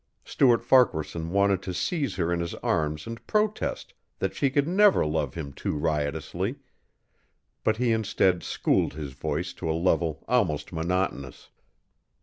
Stuart Farquaharson wanted to seize her in his arms and protest that she could never love him too riotously, but he instead schooled his voice to a level almost monotonous.